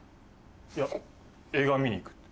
いや映画見に行く。